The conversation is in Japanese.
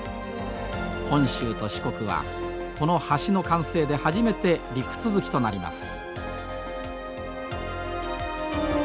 本州と四国はこの橋の完成で初めて陸続きとなります。